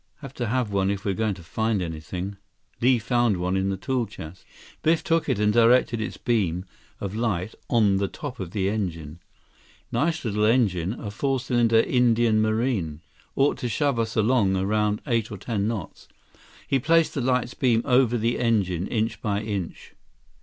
Have to have one if we're going to find anything." Li found one in the tool chest. Biff took it and directed its beam of light on the top of the engine. "Nice little engine. A four cylinder Indian Marine. Ought to shove us along around eight or ten knots." He placed the light's beam over the engine, inch by inch.